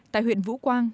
tại huyện vũ quang